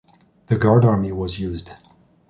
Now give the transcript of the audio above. The guard army was used.